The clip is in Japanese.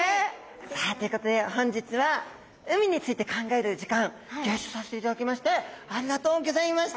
さあということで本日は海について考える時間ギョ一緒させていただきましてありがとうございました。